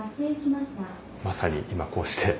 まさに今こうして。